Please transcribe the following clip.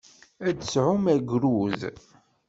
Ad d-tesɛum agrud.